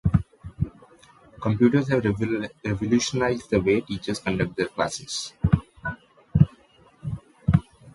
Computers have revolutionized the way teachers conduct their classes.